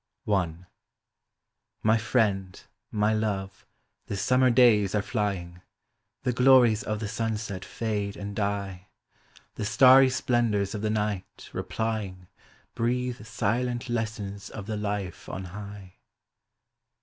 ;|Y friend, my love, the summer days are flying ; The glories of the sunset fade and die ; The starry splendors of the night, replying, Breathe silent lessons of the life on high.